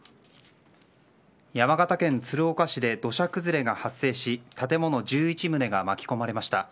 山形県鶴岡市で土砂崩れが発生し建物１１棟が巻き込まれました。